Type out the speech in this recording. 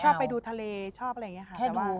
ชอบไปดูทะเลชอบอะไรอย่างนี้ค่ะ